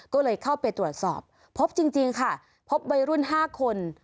ก็เลยเข้าไปตรวจสอบพบจริงค่ะพบวัยรุ่น๕คน